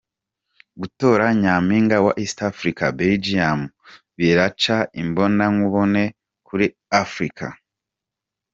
Gutora nyampinga wa East Africa Belgium biraca imbonankubone kuri Africa